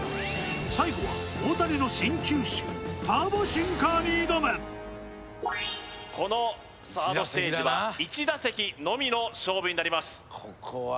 最後は大谷の新球種ターボシンカーに挑むこのサードステージは１打席のみの勝負になります